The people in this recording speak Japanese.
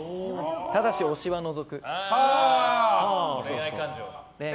ただし推しは除く。